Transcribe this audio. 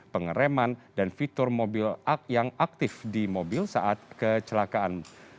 pengereman dan fitur mobil yang aktif di mobil saat kecelakaan